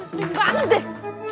sedih banget deh